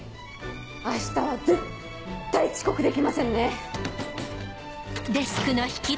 明日は絶対遅刻できませんね。